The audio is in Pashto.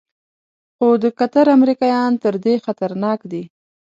خو د قطر امریکایان تر دې خطرناک دي.